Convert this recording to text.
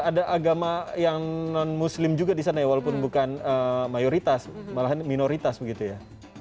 ada agama yang non muslim juga di sana ya walaupun bukan mayoritas malahan minoritas begitu ya